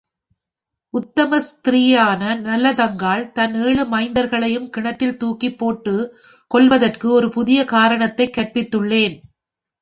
உத்தம ஸ்திரீயான நல்லதங்காள் தன் ஏழு மைந்தர்களையும் கிணற்றில் தூக்கிப் போட்டுக் கொல்வதற்கு ஒரு புதிய காரணத்தைக் கற்பித்துள்ளேன்.